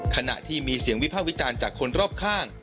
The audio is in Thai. ขณะที่มีเสียงวิพากษ์วิจารณ์จากคนรอบข้าง